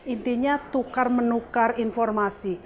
intinya tukar menukar informasi